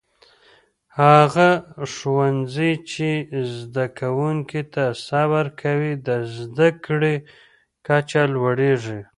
هغه ښوونکي چې زده کوونکو ته صبر کوي، د زده کړې کچه لوړېږي.